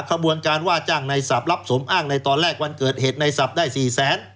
ขบวนการว่าจ้างในศัพทรับสมอ้างในตอนแรกวันเกิดเหตุในศัพท์ได้๔แสน